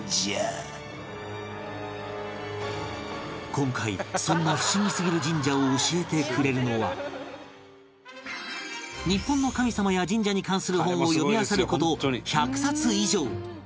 今回そんなふしぎすぎる神社を日本の神様や神社に関する本を読みあさる事１００冊以上